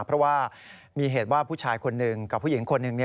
เพราะว่ามีเหตุว่าผู้ชายคนหนึ่งกับผู้หญิงคนหนึ่ง